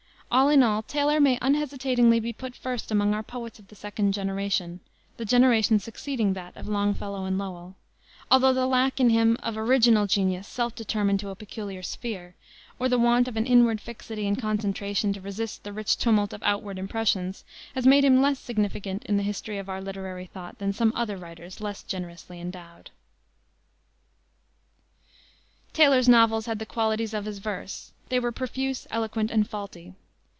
All in all, Taylor may unhesitatingly be put first among our poets of the second generation the generation succeeding that of Longfellow and Lowell although the lack in him of original genius self determined to a peculiar sphere, or the want of an inward fixity and concentration to resist the rich tumult of outward impressions, has made him less significant in the history of our literary thought than some other writers less generously endowed. Taylor's novels had the qualities of his verse. They were profuse, eloquent and faulty.